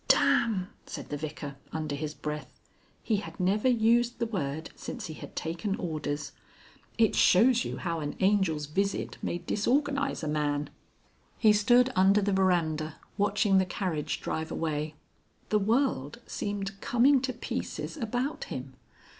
"Damn!" said the Vicar, under his breath. He had never used the word since he had taken orders. It shows you how an Angel's visit may disorganize a man. He stood under the verandah watching the carriage drive away. The world seemed coming to pieces about him.